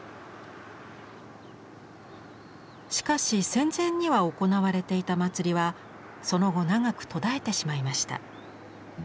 しかし戦前には行われていた祭りはその後長く途絶えてしまいました。